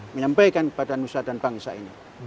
menyampaikan kepada musa dan bangsa ini